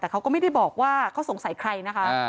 แต่เขาก็ไม่ได้บอกว่าเขาสงสัยใครนะคะ